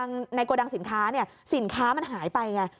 ในโกดังสินค้าเนี่ยสินค้ามันหายไปไง